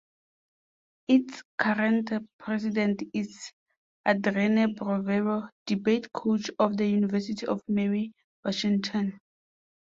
Its current president is Adrienne Brovero, debate coach of the University of Mary Washington.